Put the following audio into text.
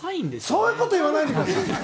そういうこと言わないでください！